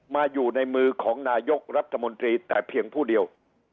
อยู่ในมือของนายกรัฐมนตรีแต่เพียงผู้เดียว